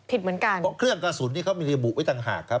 ผิดเหมือนกันเพราะเครื่องกระสุนที่เขามีระบุไว้ต่างหากครับ